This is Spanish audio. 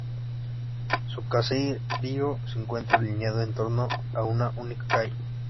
Su caserío se encuentra alineado en torno a una única calle.